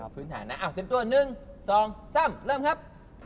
พื้นฐานนะเตรียมตัว๑๒๓เริ่มครับ